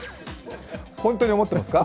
本当に思ってますか？